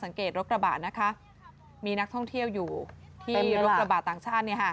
สังเกตรถกระบะนะคะมีนักท่องเที่ยวอยู่ที่รถกระบะต่างชาติ